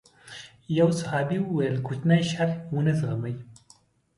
يو صحابي وويل کوچنی شر ونه زغمي.